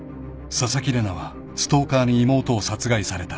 ［紗崎玲奈はストーカーに妹を殺害された］